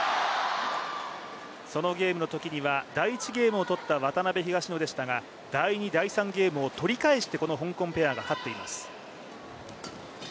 そのゲームのときには第１ゲームを取った渡辺・東野ペアでしたが第２、第３ゲームを取り返してこの香港ペアが勝っています。